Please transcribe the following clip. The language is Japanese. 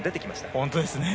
本当ですね。